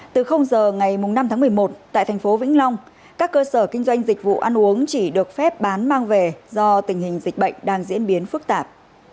từ giờ ngày năm tháng một mươi một tại thành phố vĩnh long các cơ sở kinh doanh dịch vụ ăn uống chỉ được phép bán mang về do tình hình dịch bệnh đang diễn biến phức tạp